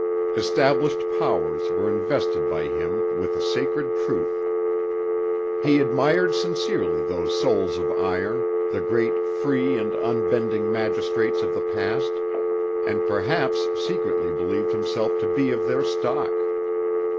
Established powers were invested by him with a sacred truth. He admired sincerely those souls of iron, the great free and unbending magistrates of the past; and perhaps secretly believed himself to be of their stock.